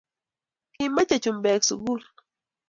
Kimache chumbik sukul